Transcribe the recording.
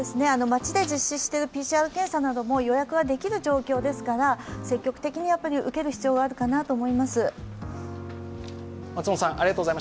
街で実施しているＰＣＲ検査も予約ができる状況ですから積極的に受ける必要があるかなと思います。